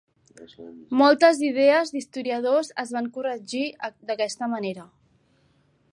Moltes idees d'historiadors es van corregir d'aquesta manera.